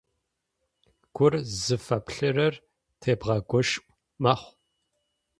Гур зыфэплърэр тебгэгъошӏу мэхъу.